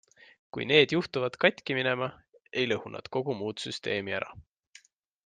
Kui need juhtuvad katki minema, ei lõhu nad kogu muud süsteemi ära.